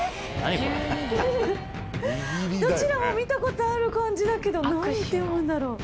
どちらも見たことある漢字だけど何て読むんだろう？